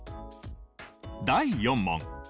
第４問。